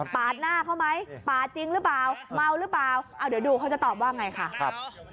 หน้าเขาไหมปาดจริงหรือเปล่าเมาหรือเปล่าเอาเดี๋ยวดูเขาจะตอบว่าไงค่ะครับ